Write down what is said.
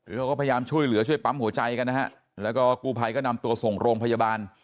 คือเขาก็พยายามช่วยเหลือช่วยปั๊มหัวใจกันนะฮะแล้วก็กู้ภัยก็นำตัวส่งโรงพยาบาล